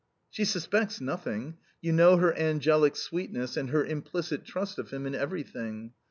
She suspects nothing; you know her angelic sweetness and her implicit trust of him in everything.